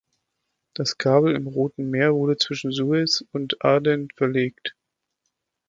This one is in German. Das Kabel im Roten Meer wurde zwischen Suez und Aden verlegt.